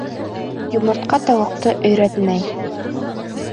Йомортҡа тауыҡты өйрәтмәй.